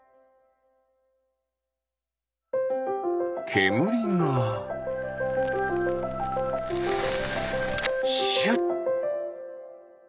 けむりがシュッ。